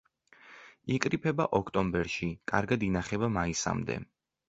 იკრიფება ოქტომბერში, კარგად ინახება მაისამდე.